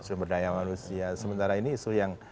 seberdaya manusia sementara ini isu yang